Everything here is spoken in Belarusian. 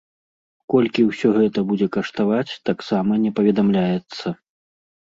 Колькі ўсё гэта будзе каштаваць, таксама не паведамляецца.